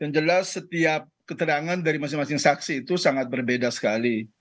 yang jelas setiap keterangan dari masing masing saksi itu sangat berbeda sekali